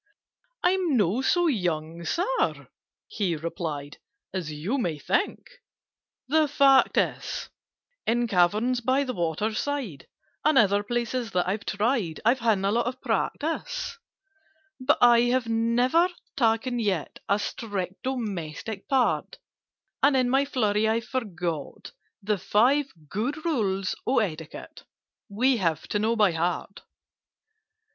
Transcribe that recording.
"I'm not so young, Sir," he replied, "As you might think. The fact is, In caverns by the water side, And other places that I've tried, I've had a lot of practice: "But I have never taken yet A strict domestic part, And in my flurry I forget The Five Good Rules of Etiquette We have to know by heart."